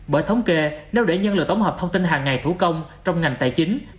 bởi thống kê nếu để nhân lực tổng hợp thông tin hàng ngày thủ công trong ngành tài chính